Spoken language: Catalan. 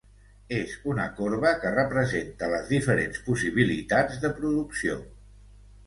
És una corba que representa les diferents possibilitats de producció.